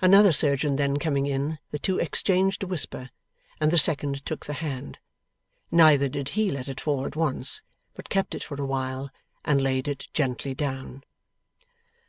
Another surgeon then coming in, the two exchanged a whisper, and the second took the hand. Neither did he let it fall at once, but kept it for a while and laid it gently down.